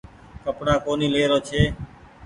ڪپڙآ ڪونيٚ لي رو ڇي۔